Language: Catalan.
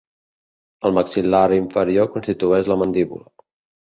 El maxil·lar inferior constitueix la mandíbula.